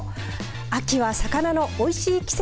秋は魚のおいしい季節。